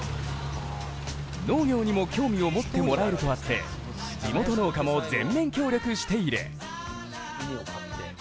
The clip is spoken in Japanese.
農業にも興味を持ってもらえるとあって地元農家も全面協力している。